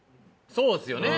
そうですよね。